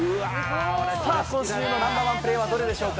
さあ、今週のナンバーワンプレーはどれでしょうか？